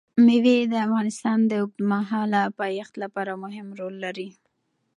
مېوې د افغانستان د اوږدمهاله پایښت لپاره مهم رول لري.